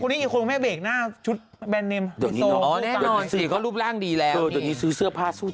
เธอไม่ไปแปะแล้วเราก็ไม่เคยไปดู